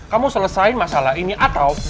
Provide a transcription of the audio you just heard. kamu selesai masalah ini atau